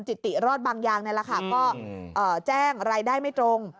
จิติรอดบางอย่างในราคาก็แจ้งรายได้ไม่ตรง